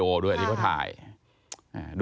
ผมก็นกผ่านก็ผ่าน